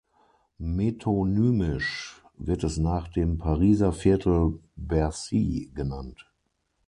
Metonymisch wird es nach dem Pariser Viertel "Bercy" genannt.